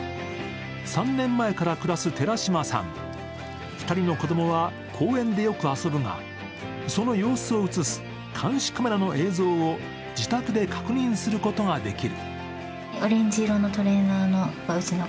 ３年前から暮らす寺島さん、２人の子供は公園でよく遊ぶがその様子を映す監視カメラの映像を自宅で確認することができる。